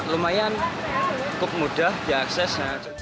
lumayan cukup mudah diakses